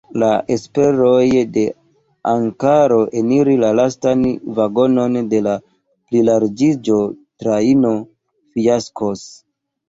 La esperoj de Ankaro eniri la lastan vagonon de la plilarĝiĝo-trajno fiaskos.